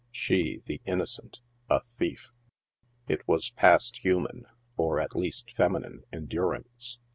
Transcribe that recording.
She, the innocent, a thief ! It was past hu man, or at least feminine, endurance.